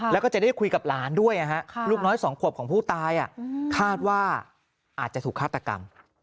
แล้วก็จะได้คุยกับหลานด้วยลูกน้อย๒ขวบของผู้ตายคาดว่าอาจจะถูกฆาตกรรม